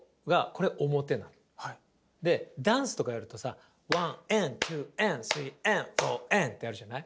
でダンスとかやるとさワンエントゥーエンスリーエンフォーエンってあるじゃない。